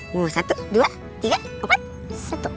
mau satu dua tiga empat satu